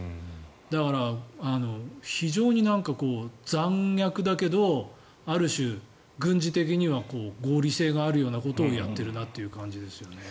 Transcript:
だから、非常に残虐だけどある種、軍事的には合理性があるようなことをやっているなという感じですよね。